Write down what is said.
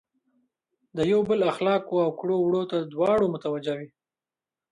د یو بل اخلاقو او کړو وړو ته دواړه متوجه وي.